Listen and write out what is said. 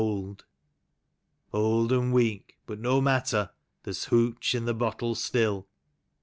" Old and weak, but no matter, there's ' hooch ' in the bottle still.